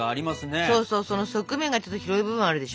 そうそうその側面がちょっと広い部分あるでしょ？